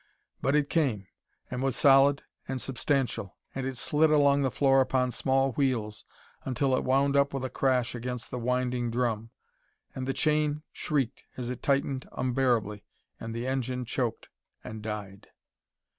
But it came, and was solid and substantial, and it slid along the floor upon small wheels until it wound up with a crash against the winding drum, and the chain shrieked as it tightened unbearably and the engine choked and died.